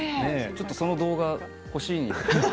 ちょっとその動画、欲しい。